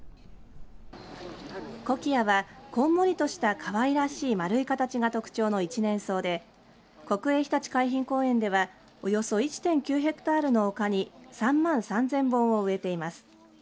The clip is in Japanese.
コキアは、こんもりとしたかわいらしい丸い形が特徴の一年草で国営ひたち海浜公園ではおよそ１．９ヘクタールの丘に３万３０００本を植えています。